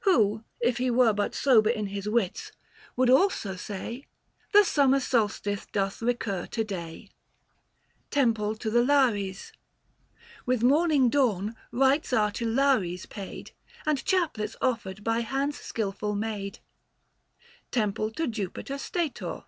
Who, if he were But sober in his wits, would also say The summer solstice doth recur to day. V. KAL. JUL. TEMPLE TO THE LARES. With morning dawn rites are to Lares paid, And chaplets offered by hands skilful made. 955 TEMPLE TO JUPITER STATOR.